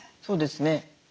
そうですね。